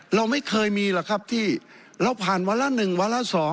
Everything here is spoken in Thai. เราไม่เคยมีล่ะครับที่เราผ่านวาลา๑วาลา๒